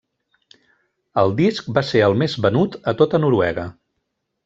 El disc va ser el més venut a tota Noruega.